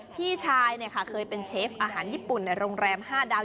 พี่ชายเคยเป็นเชฟอาหารญี่ปุ่นในโรงแรม๕ดาว